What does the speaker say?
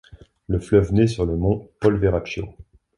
Le fleuve naît sur le mont Polveracchio.